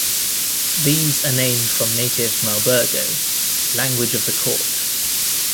These are named from native "malbergo", "language of the court".